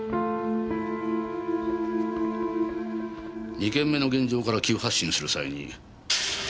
２件目の現場から急発進する際に。